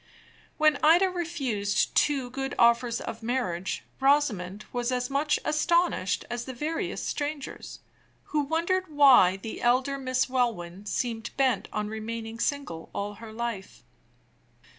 When Ida refused two good offers of marriage, Rosamond was as much astonished as the veriest strangers, who wondered why the elder Miss Welwyn seemed bent on remaining single all her life.